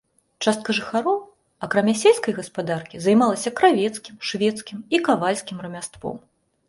Частка жыхароў, акрамя сельскай гаспадаркі, займалася кравецкім, швецкім і кавальскім рамяством.